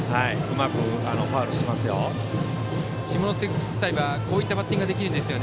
うまくファウルしてますよ。